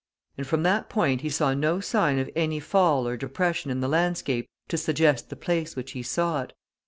And from that point he saw no sign of any fall or depression in the landscape to suggest the place which he sought.